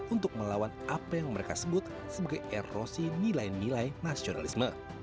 untuk melawan apa yang mereka sebut sebagai erosi nilai nilai nasionalisme